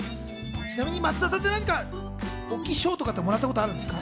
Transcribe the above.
ちなみに松田さんは何か大きい賞ってもらったことあるんですか？